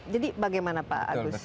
jadi bagaimana pak agus